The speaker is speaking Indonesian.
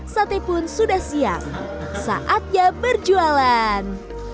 sate pun sudah siap saatnya berjualan